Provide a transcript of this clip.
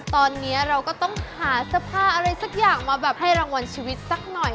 ตอนนี้เราก็ต้องหาเสื้อผ้าอะไรสิท่าหวังชีวิตซักหน่อย